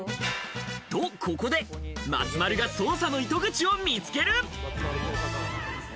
と、ここで松丸が捜査の糸口を見つける。